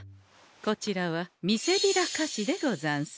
こちらはみせびら菓子でござんす。